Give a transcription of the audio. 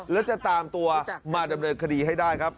แล้วจะตามตัวมาดำเนินคดีให้ได้ครับ